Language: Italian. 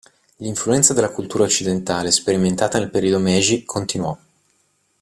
L'influenza della cultura occidentale sperimentata nel periodo Meiji continuò.